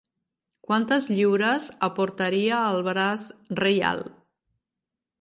Quantes lliures aportaria el braç reial?